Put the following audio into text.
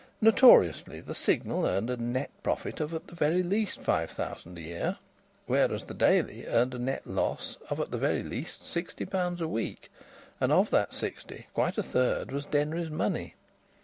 Notoriously the Signal earned a net profit of at the very least five thousand a year, whereas the Daily earned a net loss of at the very least sixty pounds a week and of that sixty quite a third was Denry's money.